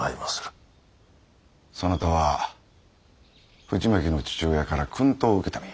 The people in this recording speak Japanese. そなたは藤巻の父親から薫陶を受けた身。